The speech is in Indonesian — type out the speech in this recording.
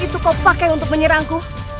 kau sudah pakai untuk menyerangku